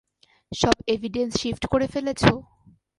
সব evidence shift করে ফেলেছ?